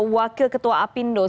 wakil ketua apindo